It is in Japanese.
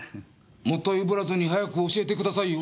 もったいぶらずに早く教えてくださいよ。